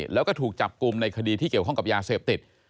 แล้วก็ถูกจับกลุ่มในคดีที่เกี่ยวข้องกับยาเสพติด